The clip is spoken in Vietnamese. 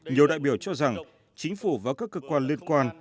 nhiều đại biểu cho rằng chính phủ và các cơ quan liên quan